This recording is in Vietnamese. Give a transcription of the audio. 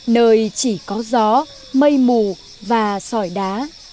nơi chỉ có gió mây mù và sỏi đá